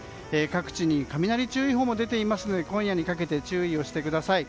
各地に雷注意報が出ていますので今夜にかけて注意をしてください。